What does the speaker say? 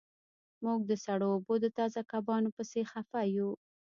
موږ د سړو اوبو د تازه کبانو پسې خفه یو